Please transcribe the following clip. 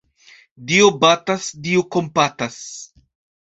Dio batas, Dio kompatas.